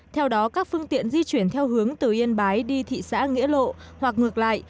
theo đó các phương tiện di chuyển theo hướng từ yên bái đi thị xã nghĩa lộ hoặc ngược lại